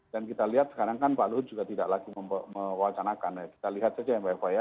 dan kita lihat sekarang kan pak luhut juga tidak lagi mewacanakan ya kita lihat saja mbak eva ya